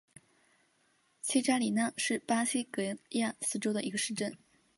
切扎里娜是巴西戈亚斯州的一个市镇。